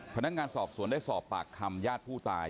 พนักงานสอบสวนได้สอบปากคำญาติผู้ตาย